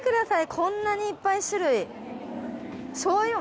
こんなにいっぱい種類。